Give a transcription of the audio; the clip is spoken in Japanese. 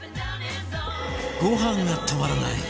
ご飯が止まらない！